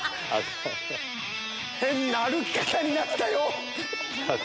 変な歩き方になったよ！